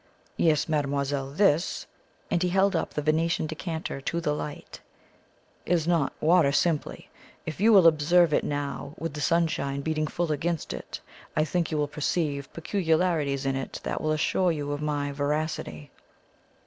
"Yes, mademoiselle. This," and he held up the Venetian decanter to the light, "is not water simply. If you will observe it now with the sunshine beating full against it, I think you will perceive peculiarities in it that will assure you of my veracity."